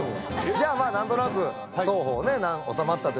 じゃあまあ何となく双方ね収まったということで。